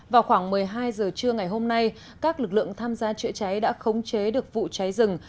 vào khoảng một mươi hai giờ trưa ngày hôm nay các lực lượng tham gia chữa cháy đã khống chế được vụ cháy rừng